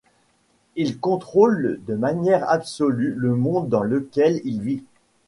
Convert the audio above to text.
Il contrôle de manière absolue le monde dans lequel il vit.